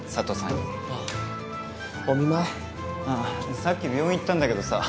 あさっき病院行ったんだけどさ